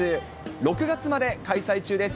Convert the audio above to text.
６月まで開催中です。